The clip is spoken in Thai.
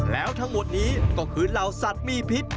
แล้วทั้งหมดนี้ก็คือเหล่าสัตว์มีพิษ